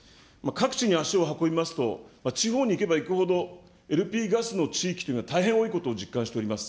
各地に足を運びますと、地方に行けば行くほど、ＬＰガスの地域というのは大変多いことを実感しております。